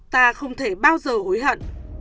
ta không thể bao giờ hối hận